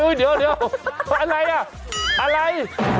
โอ้ยเดี๋ยวอะไรนะอะไร